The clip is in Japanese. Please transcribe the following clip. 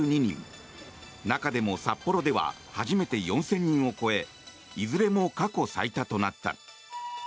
中でも札幌では初めて４０００人を超えいずれも過去最多となった。